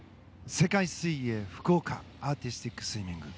世界水泳福岡アーティスティックスイミング。